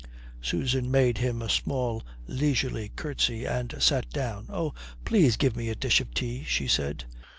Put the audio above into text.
Susan made him a small leisurely curtsy and sat down. "Oh, please give me a dish of tea," she said.